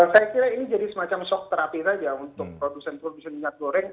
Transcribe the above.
saya kira ini jadi semacam shock therapy saja untuk produsen produsen minyak goreng